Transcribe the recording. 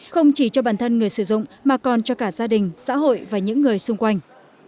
không chỉ cho bản thân người sử dụng mà còn cho cả gia đình xã hội và những người xung quanh